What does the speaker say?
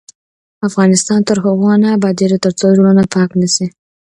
افغانستان تر هغو نه ابادیږي، ترڅو زړونه پاک نشي.